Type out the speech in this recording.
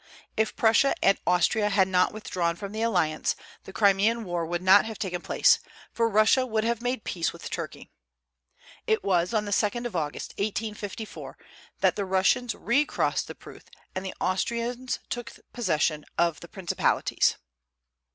If Prussia and Austria had not withdrawn from the alliance, the Crimean war would not have taken place, for Russia would have made peace with Turkey. It was on the 2d of August, 1854, that the Russians recrossed the Pruth, and the Austrians took possession of the principalities.